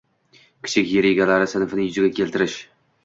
kichik yer egalari sinfini yuzaga keltirish.